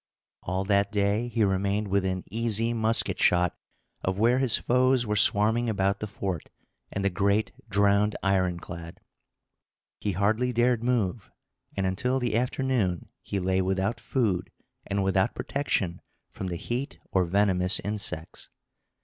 All that day he remained within easy musket shot of where his foes were swarming about the fort and the great drowned ironclad. He hardly dared move, and until the afternoon he lay without food, and without protection from the heat or venomous insects.